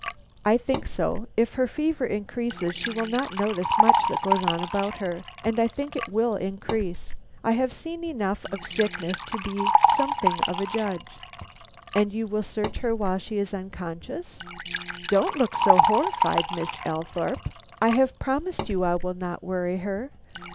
"I think so; if her fever increases she will not notice much that goes on about her, and I think it will increase; I have seen enough of sickness to be something of a judge." "And you will search her while she is unconscious?" "Don't look so horrified, Miss Althorpe. I have promised you I will not worry her.